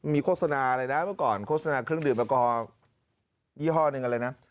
มีโฆษณาอะไรนะเมื่อก่อนโฆษณาเครื่องดื่มแอลกอฮอลยี่ห้อหนึ่งอะไรนะ